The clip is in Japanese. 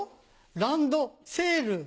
ランドセール。